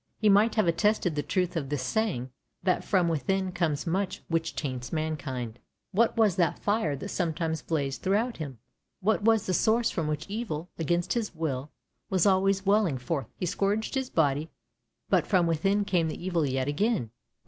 He might have attested the truth of this saying, that from within comes much which taints mankind. What was that fire that sometimes blazed throughout him? What was that source from which evil, against his will, was always welling forth ? He scourged his body, but from within came the evil yet again.